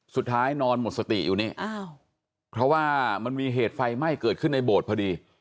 นอนหมดสติอยู่นี่อ้าวเพราะว่ามันมีเหตุไฟไหม้เกิดขึ้นในโบสถ์พอดี